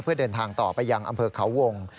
เพื่อเดินทางต่อไปยังอำเภอเขาวง